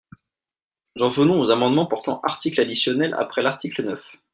Nous en venons aux amendements portant article additionnel après l’article neuf.